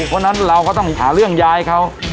เพราะฉะนั้นเราก็ต้องหาเรื่องยายเขา